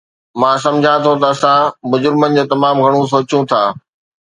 مان سمجهان ٿو ته اسان مجرمن جو تمام گهڻو سوچيو ٿا